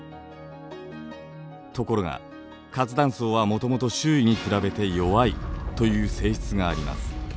ところが活断層はもともと周囲に比べて弱いという性質があります。